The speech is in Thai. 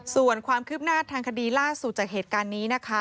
ส่วนความคืบหน้าทางคดีล่าสุดจากเหตุการณ์นี้นะคะ